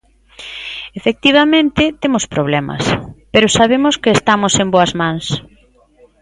Efectivamente, temos problemas, pero sabemos que estamos en boas mans.